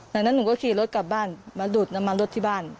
ดังนั้นหนูก็ขี่รถกลับบ้านมาดูดน้ำมันรถที่บ้าน